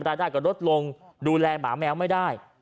รายได้ก็ลดลงดูแลหมาแมวไม่ได้